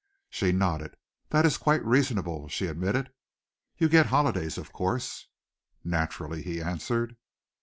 She nodded. "That is quite reasonable," she admitted. "You get holidays, of course?" "Naturally," he answered.